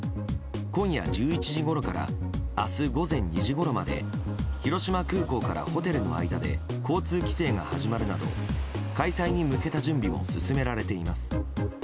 今夜１１時ごろから明日午前２時ごろまで広島空港からホテルの間で交通規制が始まるなど開催に向けた準備も進められています。